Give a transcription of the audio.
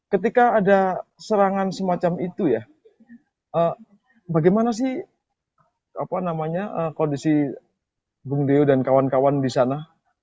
ketika ada serangan semacam itu ya bagaimana sih kondisi bung deo dan kawan kawan di sana